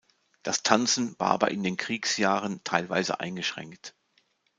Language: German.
Das Tanzen war aber in den Kriegsjahren teilweise eingeschränkt.